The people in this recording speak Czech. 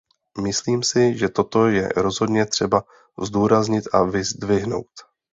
Myslím si, že toto je rozhodně třeba zdůraznit a vyzdvihnout.